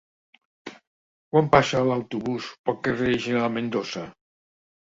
Quan passa l'autobús pel carrer General Mendoza?